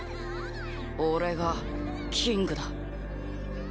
俺がキングだ。